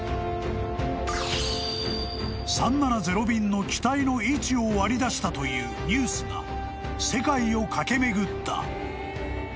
［３７０便の機体の位置を割り出したというニュースが世界を駆け巡った］